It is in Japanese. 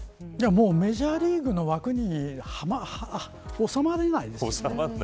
もう、メジャーリーグの枠に収まらないですよね。